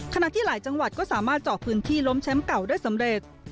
ขณะที่หลายจังหวัดก็สามารถเจาะพื้นที่ล้มแชมป์เก่าได้สำเร็จ